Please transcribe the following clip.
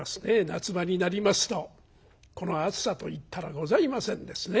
夏場になりますとこの暑さといったらございませんですね。